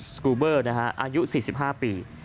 สกูเบอร์นะฮะอายุ๔๕ปี